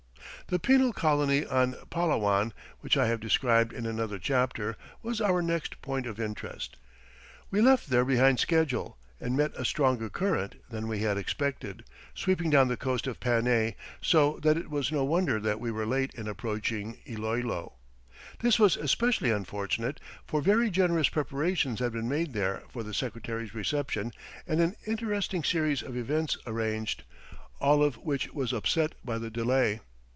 The Penal Colony on Palawan, which I have described in another chapter, was our next point of interest. We left there behind schedule and met a stronger current than we had expected, sweeping down the coast of Panay, so that it was no wonder that we were late in approaching Iloilo. This was especially unfortunate, for very generous preparations had been made there for the Secretary's reception and an interesting series of events arranged, all of which was upset by the delay.